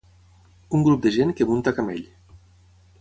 Un grup de gent que munta a camell.